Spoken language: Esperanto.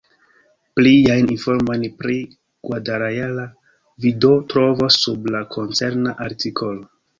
Pliajn informojn pri Guadalajara vi do trovos sub la koncerna artikolo.